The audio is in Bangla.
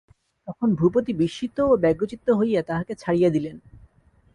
তখন ভূপতি বিস্মিত ও ব্যগ্রচিত্ত হইয়া তাহাকে ছাড়িয়া দিলেন।